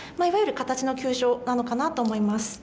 いわゆる形の急所なのかなと思います。